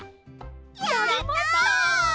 やった！